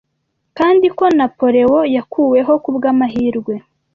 kandi ko napoleon yakuweho kubw amahirwe